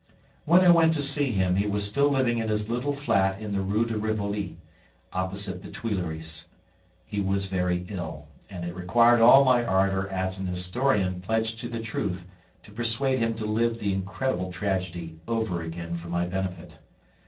When I went to see him, he was still living in his little flat in the Rue de Rivoli, opposite the Tuileries. He was very ill, and it required all my ardor as an historian pledged to the truth to persuade him to live the incredible tragedy over again for my benefit.